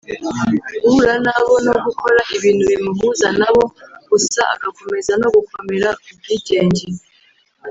guhura nabo no gukora ibintu bimuhuza nabo gusa agakomeza no gukomera ku bwigenge